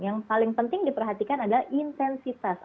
yang paling penting diperhatikan adalah intensitas